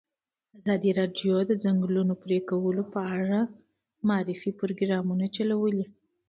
ازادي راډیو د د ځنګلونو پرېکول په اړه د معارفې پروګرامونه چلولي.